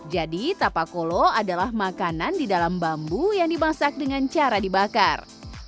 jadi tapak kolo adalah makanan di dalam bambu yang dimasak dengan cara dibakar